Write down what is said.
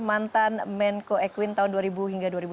mantan menko ekuin tahun dua ribu hingga dua ribu lima belas